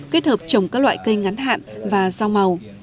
kết hợp trồng các loại cây ngắn hạn và rau màu